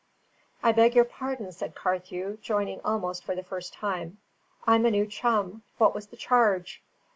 "I beg your pardon," said Carthew, joining almost for the first time; "I'm a new chum. What was the charge?"